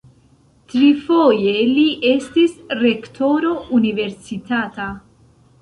Trifoje li estis rektoro universitata.